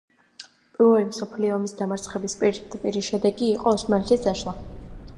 პირველ მსოფლიო ომში დამარცხების პირდაპირი შედეგი იყო ოსმალეთის დაშლა.